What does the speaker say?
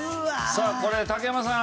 さあこれ竹山さん